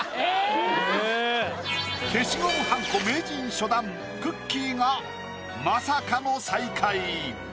消しゴムはんこ名人初段くっきー！がまさかの最下位。